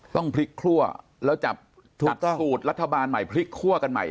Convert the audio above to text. ต้องพลิกคั่วแล้วจับสูตรรัฐบาลใหม่พลิกคั่วกันใหม่